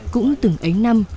cũng từng ấy năm